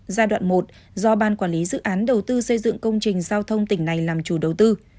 giai đoạn một do ban quản lý dự án đầu tư xây dựng công trình giao thông tỉnh này làm chủ đầu tư